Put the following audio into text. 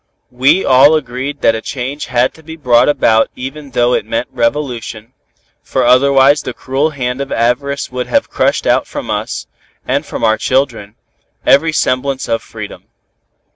"We all agreed that a change had to be brought about even though it meant revolution, for otherwise the cruel hand of avarice would have crushed out from us, and from our children, every semblance of freedom.